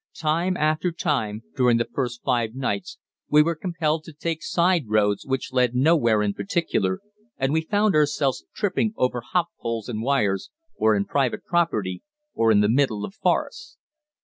Time after time during the first five nights we were compelled to take side roads which led nowhere in particular, and we found ourselves tripping over hop poles and wires, or in private property, or in the middle of forests.